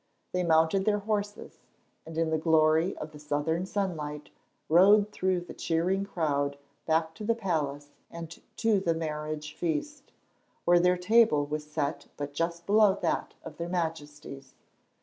They mounted their horses and in the glory of the southern sunlight rode through the cheering crowd back to the palace and to the marriage feast, where their table was set but just below that of their Majesties.